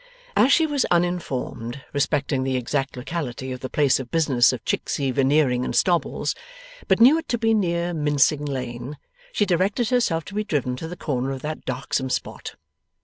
As she was uninformed respecting the exact locality of the place of business of Chicksey Veneering and Stobbles, but knew it to be near Mincing Lane, she directed herself to be driven to the corner of that darksome spot.